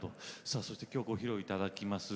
さあそしてきょうご披露いただきます